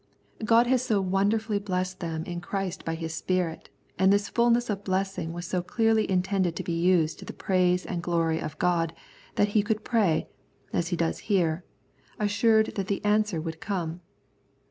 God had so wonderfully blessed them in Christ by His Spirit, and this fulness of blessing was so clearly intended to be used to the praise and glory of God that he could pray, as he does here, assured that the answer would come.